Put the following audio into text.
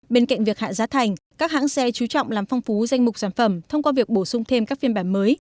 bên cạnh việc hạ giá thành các hãng xe chú trọng làm phong phú danh mục sản phẩm thông qua việc bổ sung thêm các phiên bản mới